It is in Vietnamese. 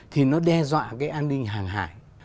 thì nó đe dọa cái an ninh hàng hải